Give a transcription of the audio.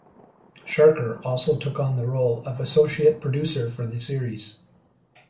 Sarker also took on the role of associate producer for the series.